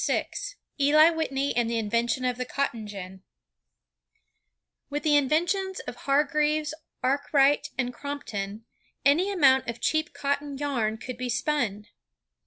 VI ELI WHITNEY AND THE INVENTION OF THE COTTON GIN With the inventions of Hargreaves, Arkwright, and Crompton, any amount of cheap cotton yam could be spun.